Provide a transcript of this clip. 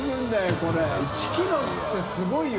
これ１ｋｇってすごいよ。